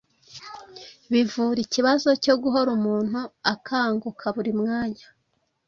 bivura ikibazo cyo guhora umuntu akanguka buri mwanya.